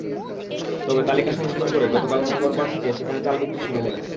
তবে তালিকা সংশোধন করে গতকাল মঙ্গলবার থেকে সেখানে চাল বিক্রি শুরু হয়।